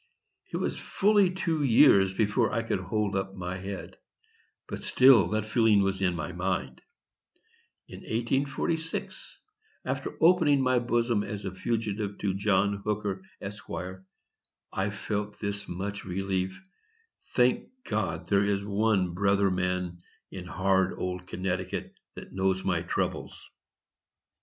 It was fully two years before I could hold up my head; but still that feeling was in my mind. In 1846, after opening my bosom as a fugitive to John Hooker, Esq., I felt this much relief,—"Thank God there is one brother man in hard old Connecticut that knows my troubles."